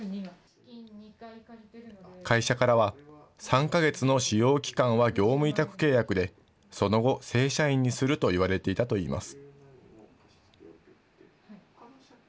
会社からは、３か月の試用期間は業務委託契約で、その後、正社員にすると言われていたといいます。